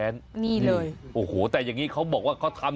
นี่นะฮะ